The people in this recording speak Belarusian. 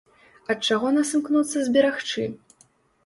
Ад чаго нас імкнуцца зберагчы?